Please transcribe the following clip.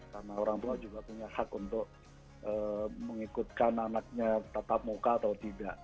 karena orang tua juga punya hak untuk mengikutkan anaknya tetap muka atau tidak